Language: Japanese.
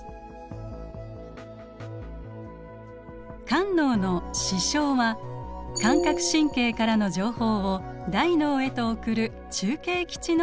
間脳の視床は感覚神経からの情報を大脳へと送る中継基地の役割。